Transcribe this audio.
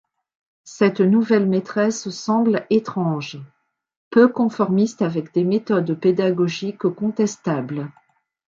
Cette nouvelle maitresse semble étrange, peu conformiste avec des méthodes pédagogiques contestables.